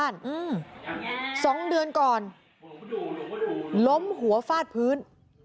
ล้มหัวฟาดพื้น